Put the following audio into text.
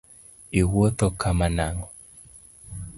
Iwuotho kama nang’o?